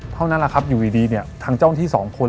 เท่านั้นอยู่ดีทางเจ้าหน้าที่๒คน